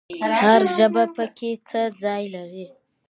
هر ژبه پکې څه ځای لري؟